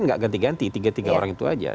nggak ganti ganti tiga tiga orang itu aja